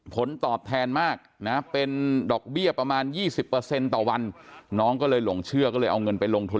ผลตอบแทนมากนะเป็นดอกเบี้ยประมาณ๒๐ต่อวันน้องก็เลยหลงเชื่อก็เลยเอาเงินไปลงทุน